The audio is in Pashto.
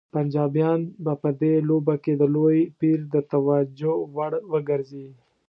پنجابیان به په دې لوبه کې د لوی پیر د توجه وړ وګرځي.